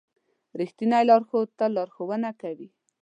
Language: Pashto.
رښتینی لارښود تل لارښوونه کوي.